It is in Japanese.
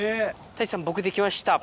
太一さん僕できました。